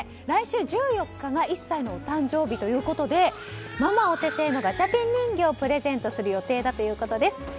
来週１４日が１歳のお誕生日ということでママお手製のガチャピン人形をプレゼントする予定だということです。